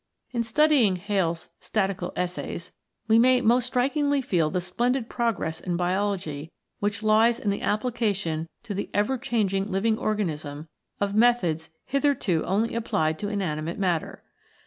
In studying Hales' Statical Essays we may most strikingly feel the splendid progress in Biology which lies in the application to the ever changing living organism of methods hitherto only applied to inanimate matter.